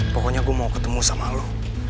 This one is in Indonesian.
pokoknya gue mau ketemu sama lo